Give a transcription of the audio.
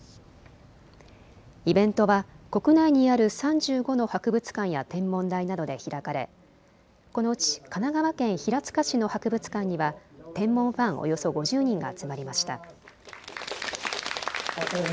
イベントは国内にある３５の博物館や天文台などで開かれこのうち神奈川県平塚市の博物館には天文ファンおよそ５０人が集まりました。